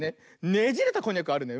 ねじれたこんにゃくあるね。